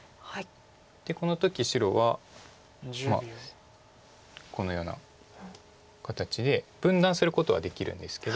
でこの時白はまあこのような形で分断することはできるんですけど。